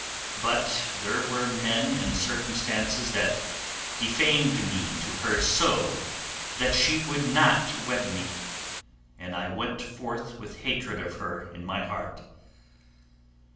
But there were men and circumstances that defamed me to her so that she would not wed me, and I went forth with hatred of her in my heart.